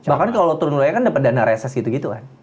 bahkan kalau turun wilayah kan dapat dana reses gitu gitu kan